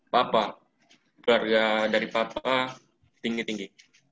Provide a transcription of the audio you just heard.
bapak keluarga dari papa tinggi tinggi